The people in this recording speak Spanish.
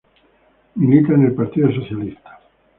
Milita en el Partido Socialista.